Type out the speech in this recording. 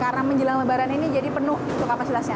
karena menjelang lebaran ini jadi penuh kapasitasnya